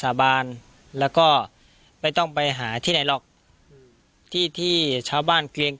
สาบานแล้วก็ไม่ต้องไปหาที่ไหนหรอกที่ที่ชาวบ้านเกรง